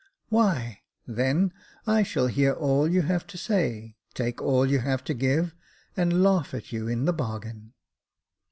"Why, then I shall hear all you have to say, take all you have to give, and laugh at you in the bargain."